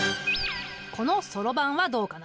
このそろばんはどうかな？